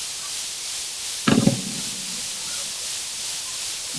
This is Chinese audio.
非人者的一族。